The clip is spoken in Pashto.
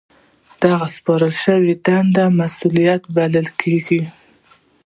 دغه سپارل شوې دنده مسؤلیت بلل کیږي.